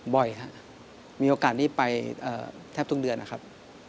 บ่อยครับมีโอกาสที่ไปแทบทุกเดือนนะครับ